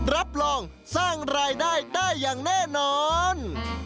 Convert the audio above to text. รับรองสร้างรายได้ได้อย่างแน่นอน